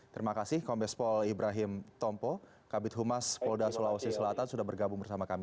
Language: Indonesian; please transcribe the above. terima kasih kombes pol ibrahim tompo kabit humas polda sulawesi selatan sudah bergabung bersama kami